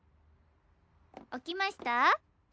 起きました？